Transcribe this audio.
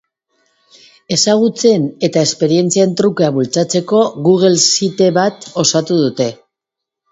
Ezagutzen eta esperientzien trukea bultzatzeko google site bat osatu dute.